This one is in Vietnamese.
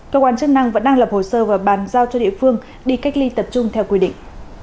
cơ quan chức năng vẫn đang lập hồ sơ và bàn giao cho địa phương đi cách ly tập trung theo quy định